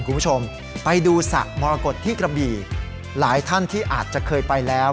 คุณผู้ชมไปดูสระมรกฏที่กระบี่หลายท่านที่อาจจะเคยไปแล้ว